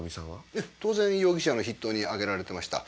ええ当然容疑者の筆頭に挙げられてました。